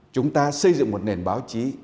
chúng ta xây dựng một nền báo chí